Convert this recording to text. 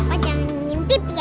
apa jangan nyintip ya